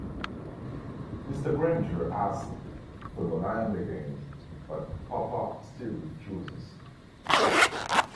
Mr. Granger asks for the land again, but Papa still refuses.